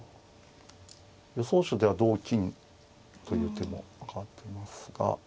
予想手では同金という手も挙がってますが。